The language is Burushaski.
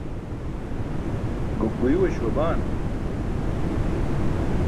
gokguyuu śuwa baana